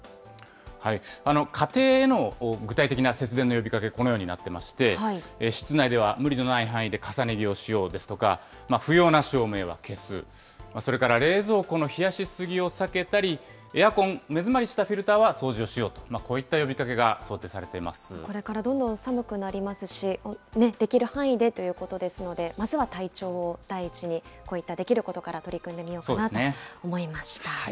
家庭への具体的な節電の呼びかけ、このようになってまして、室内では無理のない範囲で重ね着をしようですとか、不要な照明は消す、それから冷蔵庫の冷やし過ぎを避けたり、エアコン、目詰まりしたフィルターは掃除をしようと、こういった呼びかけがこれからどんどん寒くなりますし、できる範囲でということですので、まずは体調を第一に、こういったできることから取り組んでみようかなと思いました。